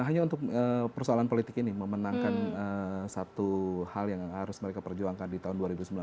hanya untuk persoalan politik ini memenangkan satu hal yang harus mereka perjuangkan di tahun dua ribu sembilan belas